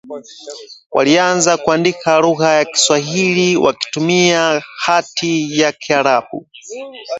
Walianza kuandika lugha ya Kiswahili wakitumia hati za Kiarabu